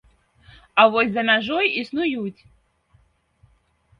А вось за мяжой існуюць.